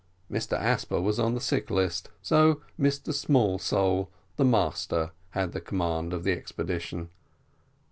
Mr Asper was on the sick list, so Mr Smallsole the master had the command of the expedition.